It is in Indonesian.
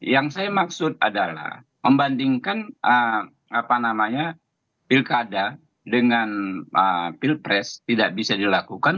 yang saya maksud adalah membandingkan apa namanya pilkada dengan apil press tidak bisa dilakukan